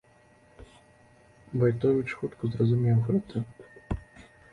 Вайтовіч хутка зразумеў гэта.